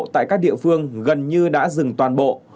tại các địa phương gần như đã dừng toàn bộ